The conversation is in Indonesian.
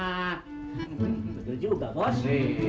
betul juga bos